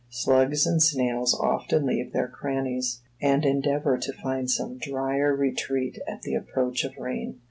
Slugs and snails often leave their crannies, and endeavor to find some drier retreat at the approach of rain.